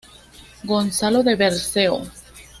Gonzalo de Berceo.